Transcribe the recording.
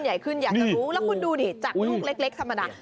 อยากจะดูแล้วคุณดูดิจากลูกเล็กธรรมดา